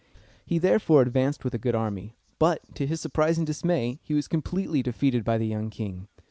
He therefore advanced with a good army; but, to his surprise and dismay, he was completely defeated by the young king.